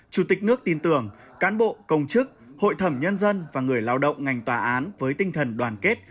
chủ tịch nước tin tưởng cán bộ công chức hội thẩm nhân dân và người lao động ngành tòa án với tinh thần đoàn kết